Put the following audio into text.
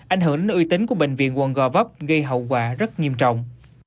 ảnh hưởng đến uy tín của bệnh viện quận gò vấp gây hậu quả rất nghiêm trọng